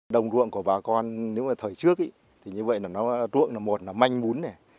đồng ruộng của bà con nếu mà thời trước thì như vậy là nó ruộng là một là manh mún này